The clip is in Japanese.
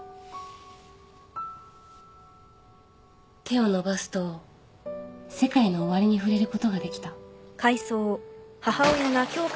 手を伸ばすと世界の終わりに触れることができた。